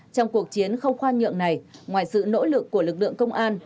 trong cuộc chiến không khoan nhượng này ngoài sự nỗ lực của lực lượng công an